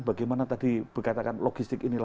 bagaimana tadi berkatakan logistik ini